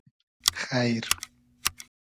خݷر